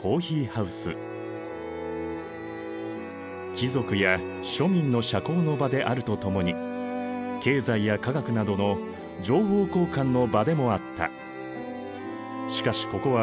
貴族や庶民の社交の場であるとともに経済や科学などの情報交換の場でもあった。